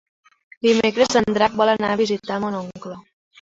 Dimecres en Drac vol anar a visitar mon oncle.